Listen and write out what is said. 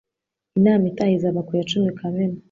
Inama itaha izaba ku ya cumi Kamena.